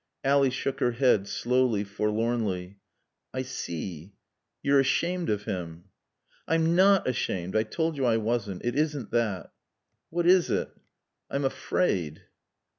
Ally shook her head, slowly, forlornly. "I see. You're ashamed of him." "I'm not ashamed. I told you I wasn't. It isn't that " "What is it?" "I'm afraid."